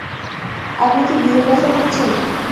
আপনি কি বিয়ের কথা ভাবছেন?